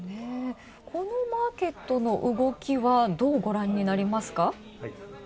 この、マーケットの動きはどうご覧になりますか？